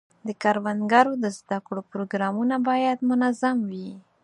د کروندګرو د زده کړو پروګرامونه باید منظم وي.